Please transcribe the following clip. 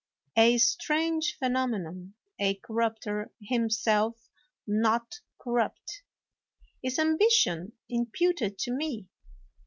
A strange phenomenon, a corrupter himself not corrupt! Is ambition imputed to me